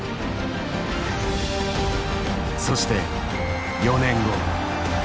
そして４年後。